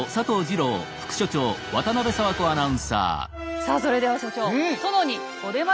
さあそれでは所長殿にお出まし頂きましょう。